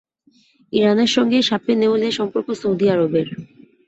ইরানের সঙ্গে সাপে নেউলে সম্পর্ক সৌদি আরবের।